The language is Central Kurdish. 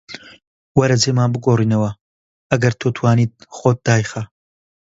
وەرە جێمان بگۆڕینەوە، ئەگەر تۆ توانیت خۆت دایخە